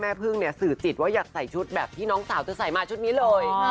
พึ่งเนี่ยสื่อจิตว่าอยากใส่ชุดแบบที่น้องสาวเธอใส่มาชุดนี้เลย